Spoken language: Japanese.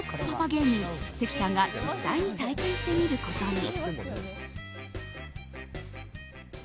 芸人関さんが実際に体験してみることに。